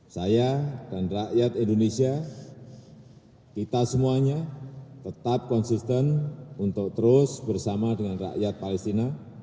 saya dan rakyat indonesia kita semuanya tetap konsisten untuk terus bersama dengan rakyat palestina